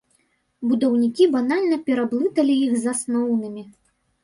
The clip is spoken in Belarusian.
Будаўнікі банальна пераблыталі іх з асноўнымі.